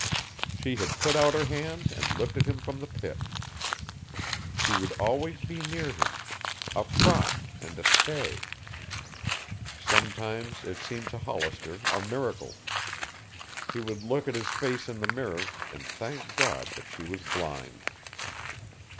She had put out her hand and lifted him from the pit. She would always be near him, a prop and a stay. Sometimes it seemed to Hollister a miracle. He would look at his face in the mirror and thank God that she was blind.